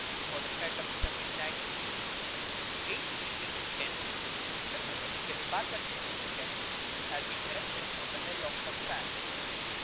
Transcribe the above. For the fête of 1792, eighty three little tents, representing the departments of the kingdom, had been erected on hillocks of sand.